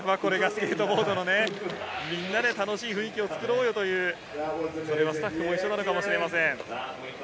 これがスケートボードのみんなで楽しい雰囲気を作ろうよという文化なのかもしれません。